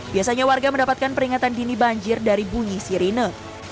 biasanya warga mendapatkan peringatan dini banjir dari bunyi sirine